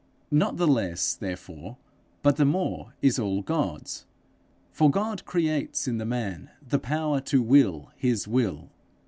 Not the less, therefore, but the more, is all God's. For God creates in the man the power to will His will.